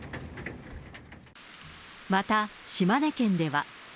また島根県では。